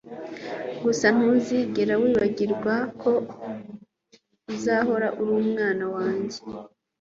gusa ntuzigera wibagirwa ko uzahora uri umwana wanjye